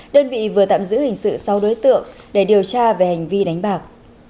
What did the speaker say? đơn vị vừa tạm giữ hình sự sáu đối tượng để điều tra về hành vi đánh bạc